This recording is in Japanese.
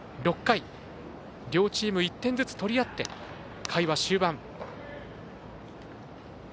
６回、両チーム１点ずつ取り合って回は終盤。